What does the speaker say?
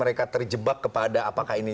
mereka terjebak kepada apakah ini